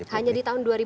hanya di tahun dua ribu